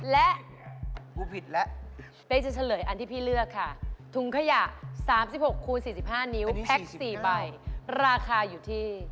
และพูดผิดแล้วเป๊กจะเฉลยอันที่พี่เลือกค่ะถุงขยะ๓๖คูณ๔๕นิ้วแพ็ค๔ใบราคาอยู่ที่